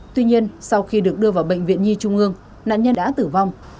tuy nhiên sau khi được đưa vào bệnh viện nhi trung ương nạn nhân đã tử vong